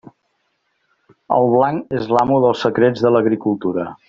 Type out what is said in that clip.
El blanc és l'amo dels secrets de l'agricultura.